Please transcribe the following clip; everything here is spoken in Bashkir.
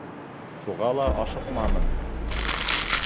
Шуға ла ашыҡманым.